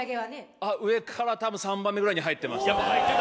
上から多分３番目ぐらいには入ってましたね。